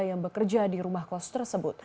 yang bekerja di rumah kos tersebut